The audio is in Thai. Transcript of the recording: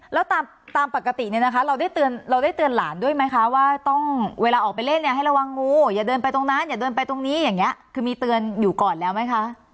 แล้วตามปกติเนี่ยนะคะเราได้เราได้เตือนหลานด้วยไหมคะว่าต้องเวลาออกไปเล่นเนี่ยให้ระวังงูอย่าเดินไปตรงนั้นอย่าเดินไปตรงนี้อย่างนี้คือมีเตือนอยู่ก่อนแล้วไหมคะ